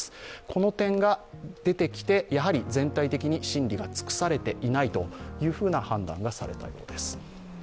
この点が出てきてやはり全体的に審理が尽くされていないという判断がされたわけです。